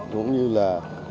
cũng như là